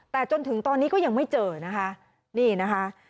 แต่จนถึงตอนนี้ก็ยังไม่เจอนะคะนี่นะคะ